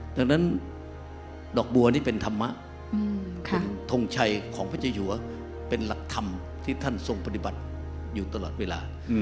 ดังนั้นดอกบัวนี่เป็นธรรมะเป็นทงชัยของพระเจ้าอยู่หัวเป็นหลักธรรมที่ท่านทรงปฏิบัติอยู่ตลอดเวลา